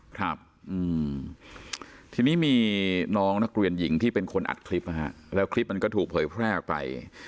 ครับทีนี้มีน้องนักเรียนหญิงที่เป็นคนอัดคลิปนะฮะแล้วคลิปมันก็ถูกเผยแพร่ออกไป